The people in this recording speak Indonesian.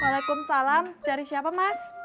waalaikumsalam cari siapa mas